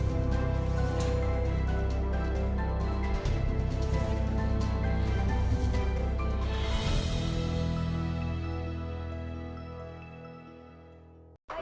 apakah d heel nduk supaya mem typically